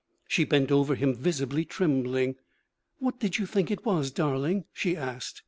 She bent over him, visibly trembling. 'What did you think it was, darling?' she asked.